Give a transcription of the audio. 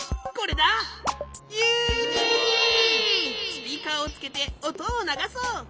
スピーカーをつけておとをながそう！